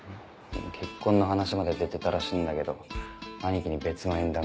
結婚の話まで出てたらしいんだけど兄貴に別の縁談がきて。